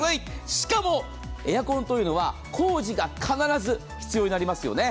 しかも、エアコンというのは工事が必ず必要になりますよね。